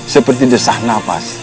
seperti desah nafas